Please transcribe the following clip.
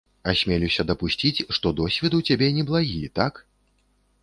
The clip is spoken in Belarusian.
Асмелюся дапусціць, што досвед у цябе неблагі, так?